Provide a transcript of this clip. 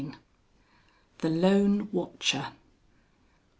THE LONE WATCHER.